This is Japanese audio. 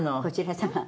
「こちら様」